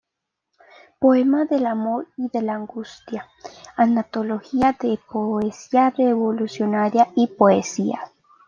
Poema del amor y la angustia", "Antología de poesía revolucionaria" y "Poesía".